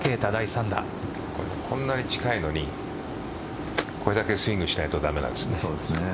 こんなに近いのにこれだけスイングしないと駄目なんですね。